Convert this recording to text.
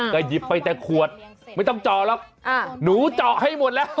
ก็หยิบไปแต่ขวดไม่ต้องเจาะหรอกหนูเจาะให้หมดแล้ว